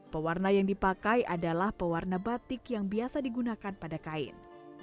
pewarna yang dipakai adalah pewarna batik yang biasa digunakan pada kain